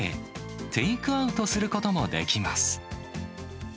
テイクアウトすることもできます。